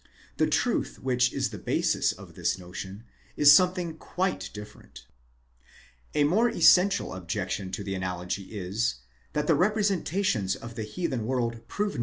The truth which is the basis of this notion is something quite different. A more essential objection? to the analogy is, that the representations of Wegscheider, Instit.